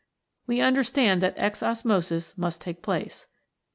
We understand that exosmosis must take place.